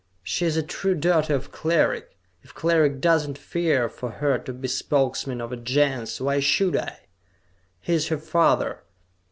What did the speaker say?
"She is a true daughter of Cleric! If Cleric does not fear for her to be Spokesman of a Gens, why should I? He is her father.